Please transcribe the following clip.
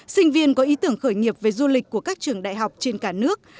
sinh viên có ý tưởng khởi nghiệp về du lịch của các trường đại học trên cả nước